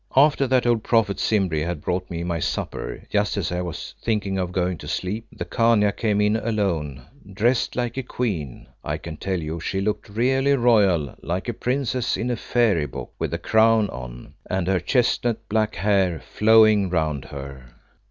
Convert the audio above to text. After that old prophet, Simbri, had brought me my supper, just as I was thinking of going to sleep, the Khania came in alone, dressed like a queen. I can tell you she looked really royal, like a princess in a fairy book, with a crown on, and her chestnut black hair flowing round her.